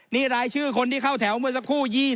นี่รายชื่อคนที่เข้าแถวเมื่อสักครู่